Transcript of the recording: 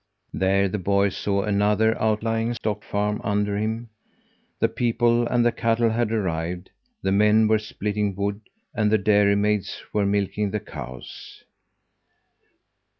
There the boy saw another outlying stock farm under him. The people and the cattle had arrived. The men were splitting wood, and the dairymaids were milking the cows.